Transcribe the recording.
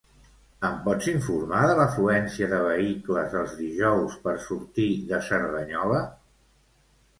Em pots informar de l'afluència de vehicles els dijous per sortir de Cerdanyola?